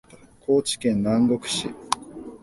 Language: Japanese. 高知県南国市